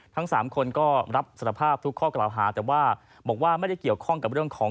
ทั้งสามคนก็รับสารภาพทุกข้อกล่าวหาแต่ว่าบอกว่าไม่ได้เกี่ยวข้องกับเรื่องของ